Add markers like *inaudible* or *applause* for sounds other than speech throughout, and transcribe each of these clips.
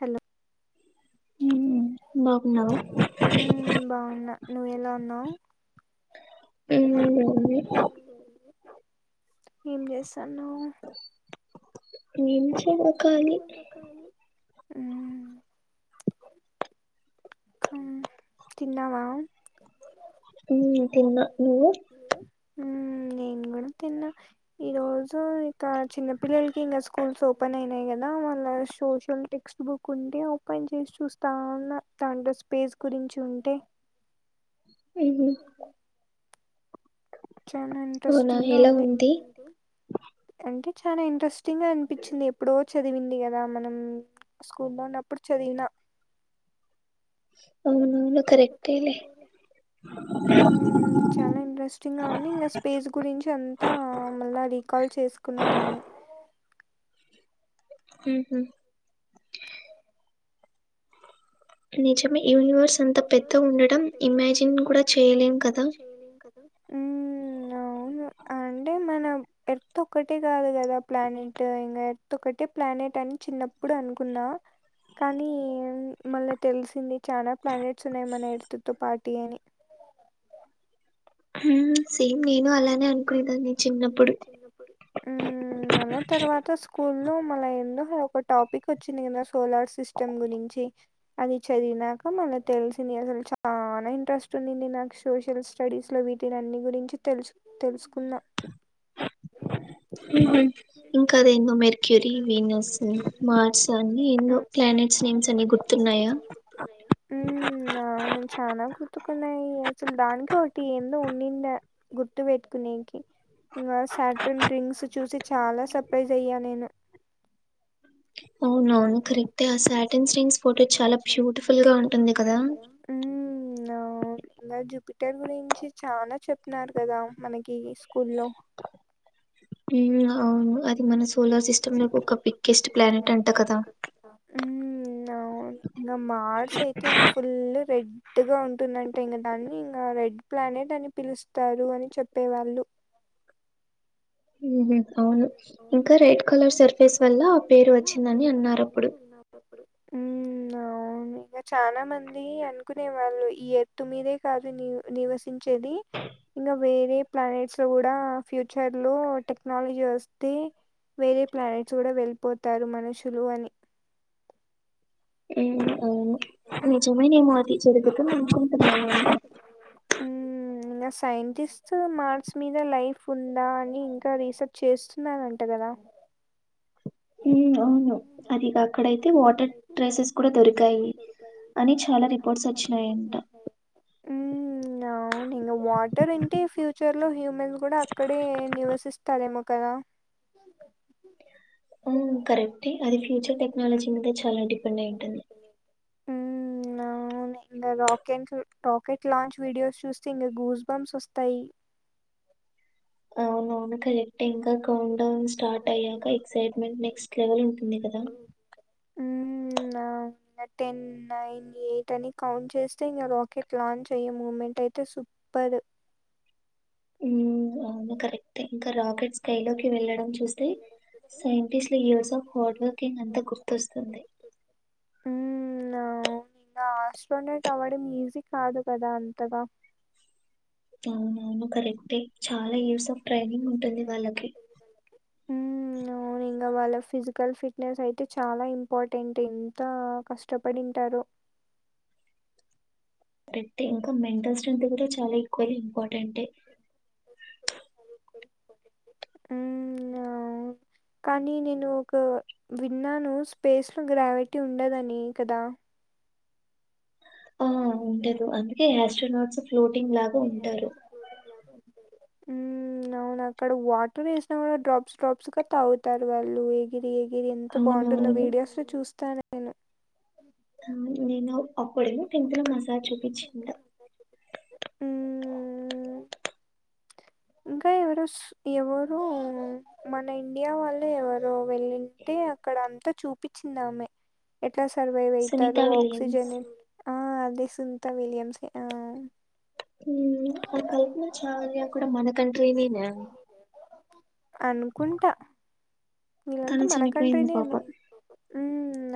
Hello ఉమ్ బాగున్నావా ఉ బాగున్నా నువ్వు ఎలా ఉన్నావు ఉ ఏం చేశాను నిలిచిండు కాళీ కానీ ఉ క తిన్నావా హ తిన్న నువ్వు నేను కూడా తిన్న ఈ రోజు ఇక చిన్న పిల్లలకి ఇంకా స్కూల్స్ ఓపెన్ అయినాయి కదా మళ్ళ సోషల్ టెక్స్ట్ బుక్ ఉంటే ఓపెన్ చేసి చూస్తా ఉన్న దాంట్లో స్పేస్ గురించి ఉంటే ఉ హు చాలా అవునా ఇంట్రెస్టింగ్ గా ఎలా ఉంది అంటే చాలా ఇంట్రెస్టింగ్ గా అనిపించింది ఎప్పుడో చదివింది కదా మనం స్కూల్లో ఉన్నప్పుడు చదివిన అవునవును కరెక్టేలే ఉ చాలా ఇంట్రెస్టింగ్గా ఉంది ఇంగ స్పేస్ గురించి అంత మత్త మళ్ళా రీకాల్ చేసుకున్నా నేను ఉ హు నిజమే యూనివర్స్ అంత పెద్ద ఇంగ్రోన్స్ అంత ఉండడం పెద్ద ఇమాజిన్ ఉండడం కూడా ఇమేజిన్ చేయలేం కూడా కదా చేయలేం కదా ఉ అవును అంటే మనం ఎత్తు ఒకటే కాదు కదా ప్లానెట్ ఇంకా ఎత్తు ఒకటే ప్లానెట్ అని చిన్నప్పుడు అనుకున్న కానీ మల్ల తెలిసింది చాలా ప్లానెట్స్ ఉన్నాయి మన ఎడుతుతో పార్టీ అని మ్ సేమ్ మ్మ్ నేను అలానే అనుకునేదాన్ని చిన్నప్పుడు మ్ మల్ల తర్వాత స్కూల్లో మల్ల ఎందుకో ఒక టాపిక్ వచ్చింది కదా సోలార్ సిస్టమ్ గురించి అది చదివినాక మళ్ళీ తెలిసింది అసలు చాలా ఇంట్రెస్ట్ ఉండింది నాకు సోషల్ స్టడీస్ లో వీటి అన్ని గురించి తెలుసు తెలుసుకున్న ఉ హు ఇంకా అది ఎన్నో మెర్క్యూరీ ఇంకాదేందో వీనస్ మెర్క్యూరీ మార్స్ వీనస్ అన్ని ఎన్నో మార్స్ ప్లానెట్స్ నేమ్స్ అన్ని గు ర్తున్నాయా ఉ నా అవును చానా గుర్తుకున్నాయి అసలు దానికి ఒకటి ఎందొ ఉండింద గుర్తు పెట్టుకునేకి ఇంకా సాటన్ ర్రింక్స్ చూసి చాలా సర్ప్రైజ్ అయ్యా నేను అవున కరెక్టే ఆ శ్యాటన్ రింగ్స్ ఫోటో చాలా బ్యూటిఫుల్ గా ఉంటుంది కదా మ్మ్ ఆ ఇలా జూపిటర్ గురించి చాలా చెప్పినారు కదా మనకి స్కూల్లో మ్మ్ అవును అది మన సోలార్ సిస్టమ్ లో ఒక బిగ్గెస్ట్ ప్లానెట్ అంటా కదా మ్మ్ ఇంగ మార్స్ అయితే ఇంగా ఫుల్ రెడ్ రెడ్గా ఉంటుందంటే ఇంగ దాన్ని ఇంకా రెడ్ ప్లానెట్ అని పిలుస్తారు అని చెప్పేవాళ్ళు మ్మ్ అవును అవును ఇంకా రెడ్ ఇంకా కలర్ రేఖ సర్ఫేస్ వల్ల ఆ పేరు వచ్చిందని అన్నారు అప్పుడు మ్మ్ అలానే చాలా మంది అనుకునే వాళ్ళు ఈ ఎత్తు మీదే కాదు నివ్ నివసించేది ఇంగా వేరే ప్లానెట్స్ లో కూడా ఫ్యూచర్ లో టెక్ నల్ చేస్తే వేరే ప్లానెట్స్ కూడా వెళ్ళిపోతారు మనుషులు అని మ్మ్ అవును నిజమేనేమో ఆది సో దే విల్ బికమ్ *inaudible* మ్మ్ ఇంగ సైంటిస్ట్ మార్స్ మీద లైఫ్ ఉందా అని ఇంకా రీసెర్చ్ చేస్తున్నారంట కదా మ్మ్ అవును అది అక్కడయితే వాటర్ ట్రైసెస్ కూడా దొరికాయి అని చాలా రిప్ పోర్ట్స్ వచ్చినాయి అంటా మ్మ్ అవును ఇంగ వాటర్ అంటే ఫ్యూచర్ లో హి వాళ్లు కూడా అక్కడే నివసిస్తారేమో కదా మ్మ్ కరెక్టే అది ఫ్యూచర్ టెక్నాలజీ మీద చాలా డిపెండ్ అయింటుంది మ్మ్ అవును అవును ఇంగా రాకెట్ రాకెట్ లాంచ్ వీడియోస్ చూస్తే ఇంగా గూస్ బంప్స్ వస్తాయి అవునువును కరే కరెక్టె ఇంకా అవును కౌంట్ డౌన్ స్టార్ట్ కౌంట్ అయ్యాక డౌన్ స్టార్ట్ ఎక్సైట్మెంట్ అయ్యాక నెక్స్ట్ లెవెల్ ఉంటుంది కదా మ్మ్ దా ఇంగ టెన్ నైన్ ఎయిట్ అని కౌంట్ చేస్తే ఇంగ రాకెట్ లాంచ్ చెయ్యము నైట్ అయితే సూప్ పళ్ళు మ్మ్ అవునా కరెక్టే ఇంకా రాకెట్లోకి రాకెట్ స్కై లోకి వెళ్ళడం చూస్తే వెళ్ళడం కోసం సైంటిస్ట్ ల years of hard universe working అంతా గుర్తొస్తుంది మ్మ్ ఆ ఇంగ ఆస్ట్రోనెట్ అవ్వడం ఈజీ కాదు కదా అంతగా అవునవును కరెక్టే చాలా ఇయర్స్ ఆఫ్ ట్రైనింగ్ ఉంటుంది వాళ్ళకి మ్మ్ అవును అవును ఇంగ వాళ్ళ ఫిజికల్ ఫిట్నెస్ అయితే చాలా ఇంపార్టెంట్ ఎంత కష్టపడి ఉంటారు పెట్టే ఇంకా మెంటల్ స్ట్రెంత్ కూడా చాలా ఎక్కువ ఇంపార్టెంటె అవున కానీ నేను ఒక విన్నాను స్పేస్లో గ్రావిటీ ఉండదని కదా ఆ ఉండదు అందుకే ఆస్ట్రోనాట్స్ ఫ్లోటింగ్ లాగా ఉంటారు మ్మ్ అవును అక్కడ వాటర్ వేసినా కూడా డ్రాప్స్ డ్రాప్స్ గా తాగుతారు వాళ్ళు గిరి ఎగిరి ఎంత బాగుంటుందో అవునవును వీడియోస్ లో చూస్తానే ఆ నేను అప్పుడెమో టెన్త్లో మా సార్ చూపిచ్చిండు మ్మ్ ఇంకా ఎవరస్ ఎవరు ఆమె మన ఇండియా వాళ్ళు ఎవరో వెళ్ళింటే అక్కడ అంతా చూపిచ్చిందామె ఎట్లా సర్వైవ్ సునీత అయితారు విలియమ్స్ ఆక్సిజన్ ఆ అదే సునిత విలియమ్సే ఆ హ అ కల్పనా చావ్లా కూడ మన కంట్రినేనా అనుకుంటా వీళ్ళంతా తను మనకంట్రీ చనిపోయింది పాప నేమో ఉ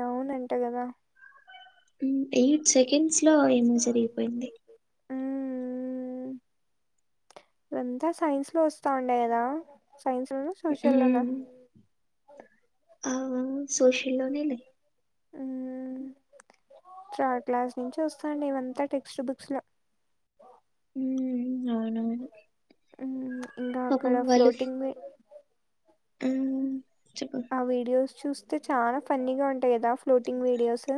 అవునంట గదా ఎయిట్ సెకండ్స్ లో ఎండ్ జరిగిపోయింది ఉమ్ మ్మ్ ఇదంత సైన్స్ లో వస్తా ఉండే కదా సైన్స్ లో ఉమ్ ఆ సోషల్ లోనే ఆ థర్డ్ క్లాస్ నుంచి వస్తాండే ఇదంతా టెక్స్ట్ బుక్స్ లో హ్మ్. అవునవును. ఉ ఇంకా అక్కడ పాపం ఫ్లోటింగ్ ఉ చెప్పు ఆ వీడియోస్ చూస్తే చాలా ఫన్నీగా ఉంటాయి కదా ఫ్లోటింగ్ వీడియోస్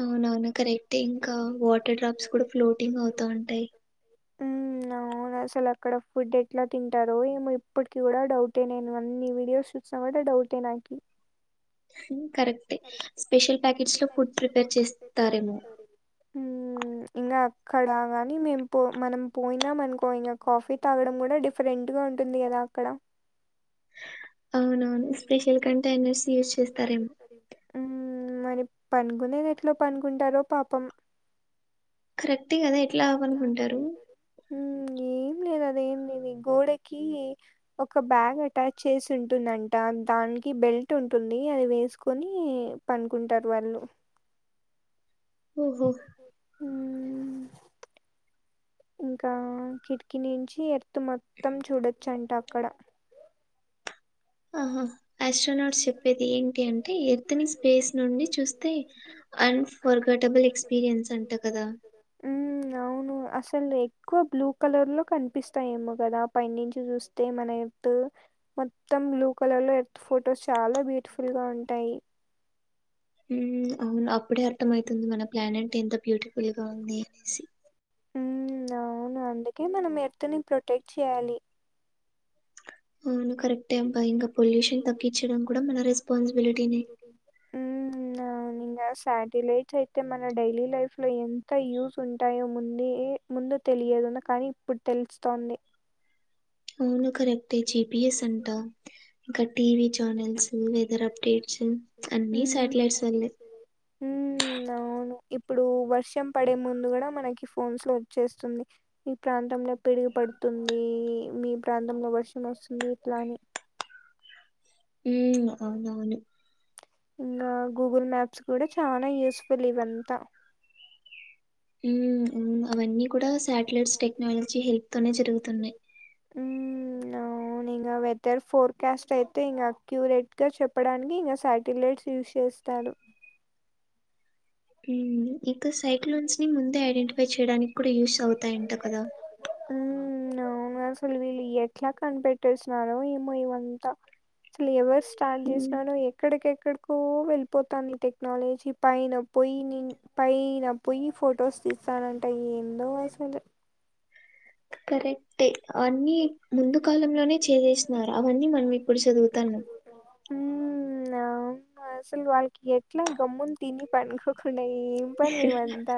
అవునవును కరెక్టే ఇంకా వాటర్ డ్రాప్స్ కూడా ఫ్లోటింగ్ అవుతా ఉంటాయి ఉ ఆవు అసలు అక్కడ ఫుడ్ ఎట్లా తింటారో ఏమో ఇప్పటికి కూడా డౌటే నేను అన్ని వీడియోస్ చూసిన డౌట్ ఏ నాకి కరెక్టే స్పెషల్ ప్యాకెట్స్ లో ఫుడ్ ప్రిపేర్ చేస్తారేమో ఉ ఇంకా అక్కడ గాని మేము మనం పోయినా అనుకో మనకు ఇంకా కాఫీ తాగడం కూడా డిఫ రెంట్ ఉంటుంది కదా అక్కడ అవునవును స్పెషల్ కంటైనర్స్ యూస్ చేస్తారేమో ఉమ్ మరి పండుకునేది ఎట్లో పనుకుంటారో పాపం కరెక్టే కదా, ఎట్లా పడుకుంటారు ఉమ్ ఏం లేదు అదేం లేదది గోడెకి ఒక బ్యాగ్ అటాచ్ చేసుంటుంది అంట దానికి బెల్ట్ ఉంటుంది అది వేసుకొని పనుకుంటారు వాళ్ళు ఓహో ఉమ్ కిటికీ నుంచి మొత్తం చూడచ్చంటే అక్కడ ఆ ఆస్ట్రోనాట్సు చెప్పేది ఏంటి ఎంతని స్పేస్ నుండి చూస్తే అన్‌ఫర్గెటబుల్ ఎక్స్‌పీరియన్స్ అంట కదా ఉమ్ అవును అసలు ఎక్కువ బ్లూ కలర్లో కనిపిస్తాయేమో కదా పైనుంచి చూస్తే మన కు మొత్తం బ్లూ కలర్ లో ఎర్త్ ఫోటోస్ చాలా బ్యూటిఫుల్ గా ఉంటాయి ఉమ్ అవును అప్పుడే అర్థం అవుతుంది మన ప్లానెట్ ఎంత బ్యూటిఫుల్ గా ఉంది అనేసి ఉమ్ అవును అందుకే మనం ఎర్త్ని ప్రొటెక్ట్ చెయ్యాలి అవును కరెక్టే అబ్బా ఇంకా పొల్యూషన్ తగ్గించడం కూడా మన రెస్పాన్సిబిలిటీని మ్ అవును ఇంకా శాటిలైట్స్ అయితే మన డైలీ లైఫ్ లో ఎంత యూజ్ ఉంటాయో ముంది ముందు తెలియదు కానీ ఇప్పుడు తెలుస్తుంది అవును కరెక్టే జీపీఎస్ అంటా ఇక్కడ టీవీ ఛానల్స్, వెదర్ అప్డేట్స్ అన్నీ ఉమ్ సాటిలైట్స్ వల్లే ఉమ్, అవును ఇప్పుడు వర్షం పడే ముందు కూడా మనకి ఫోన్స్ వచ్చేస్తుంది ఈ ప్రాంతంలో పిడుగు పడుతుంది మీ ప్రాంతంలో వర్షం వస్తుంది ఇట్లాని. ఉమ్ అవునవును ఇంకా గూగుల్ మ్యాప్స్ కూడా చాలా యూస్ఫుల్ ఇవంతా. మ్ మ్ అవన్నీ కూడా సాటిలైట్స్ టెక్నాలజీ హెల్ప్ తోనే జరుగుతన్నాయి ఉమ్, అవును. వెదర్ ఫోర్కాస్ట్ అయితే ఇనాక్యూరేట్గా చెప్పడానికి ఇంగా సాటిలైట్స్ యూస్ చేస్తారు మ్ ఇంకా సైక్లోన్స్ ని ముందే ఐడెంటిఫై చేయడానికి కూడా యూస్ అవుతాయంట కదా. ఉమ్ అవును అసలు వీళ్ళు ఎట్లా కనిపెట్టేసినారో ఏమో ఇవంతా ఎవరు స్టార్ట్ ఉమ్, చేసిననో ఎక్కడికి ఎక్కడికిో వెళిపోతాంది టెక్నాలజీ పైన. పోయి నేను పైన పోయి ఫొటోస్ తీస్తానంటే ఏందో అసలు కరక్టే అన్నీ ముందు కాలంలోనే చేసేసినారు అవన్నీ మనం ఇప్పుడు చదువుతాన్నామ్ మ్మ్ ఆ అసలు వాళ్ళకి ఎట్లా గమ్మునతిని పనుకోకుండ ఏం పన్లు ఇవంతా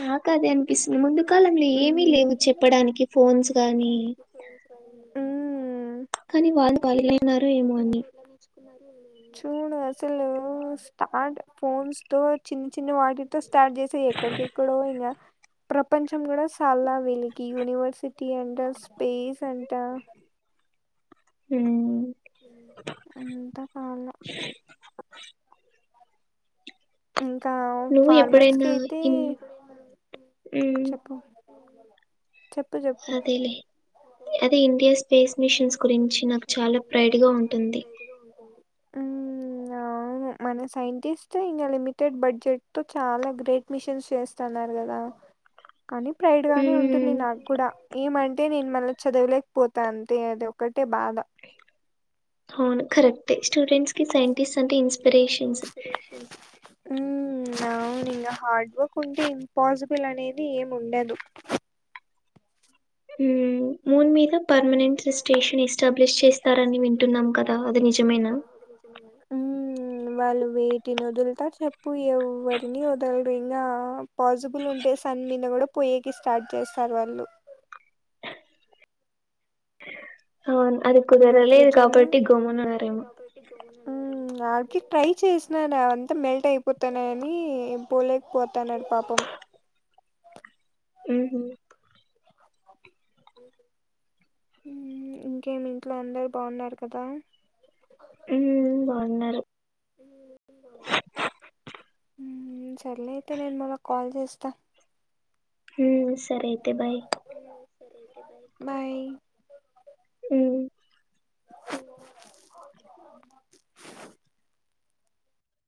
నాకదే అనిపిస్తుంది ముందు కాలంలో ఏమిలేవు చెప్పడానికి ఫోన్స్ గానీ మ్ కానీ వాళ్ళు ఖాలిగాలైనారో ఏమో అని *unintelligible* చూడు అసలు స్టార్ట్ ఫోన్స్ తో చిన్న చిన్న వాటితో స్టార్ట్ చేసాయి ఎక్కడికె క్కడెక్కడికోయింగ ప్రపంచం కూడా సాల్ల వీళ్ళ కి యూనివర్సిటీ అంట స్పేస్ అంట హ్మ్ మ్ అంతకాల ఇంకా నువ్వు ఫార్మర్స్ ఎప్పుడైనా కైయితే ఇన్ ఉమ్, చెప్పు చెప్పు చెప్పు అదేలే అదే ఇండియా స్పేస్ మిషన్స్ గురించి నాకు చాలా ప్రైడ్ గా ఉంటుంది ఉమ్ అవును మన సైంటిస్ట్ ఇగ లిమిటెడ్ బడ్జెట్ తో చాలా గ్రేట్ మిషన్స్ చేస్తన్నారు గదా కానీ ప్రైడ్ గానే ఉంటుంది మ్మ్. నాకు గ్గూడా ఏమంటే నేను మళ్ళ చదవలేకపోతా అంతే అది ఒకటే బాధ అవును కరెక్టే స్టూడెంట్స్ కి సైంటిస్ట్ అంటే ఇన్స్పిరేషన్స్ ఉమ్ అవును ఇంగా హార్డ్ వర్క్ ఉంటే ఇంపాసిబుల్ అనేది ఏం ఉండదు ఉమ్ మూన్ మీద పర్మనెంట్ స్టేషన్ ఎస్టాబ్లిష్ చేస్తారని వింటున్నాం కదా అది నిజమేనా ఉమ్ వాళ్ళు వేటిని వదులుతార్ చెప్పు ఎవ్వరిని వదలరు ఇంగా పాసిబుల్ ఉంటే సన్ మీద కూడా పోయేకి స్టార్ట్ చేస్తారు వాళ్ళు అవును అది ఇంగ కుదరలేదు కాబట్టి గమ్మున ఉన్నరేమో ఉమ్ ఉమ్ ఆడికి ట్రై చేసినాడు అవంతా మెల్ట్ అయిపోతున్నా ర్ అని పోలేకపోతున్నాడు పాపం ఉమ్ హుమ్మ్ ఉమ్ ఇంకేమి ఇంట్లో అందరు బావున్నారు కదా ఉమ్ బావున్నారు ఉమ్ సర్లే అయితే నేను మళ్ళ కాల్ చేస్తా ఉమ్ సరే అయితే బాయ్ బాయ్ ఉమ్ అ *inaudible*